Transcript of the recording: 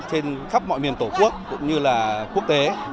hình ảnh của quận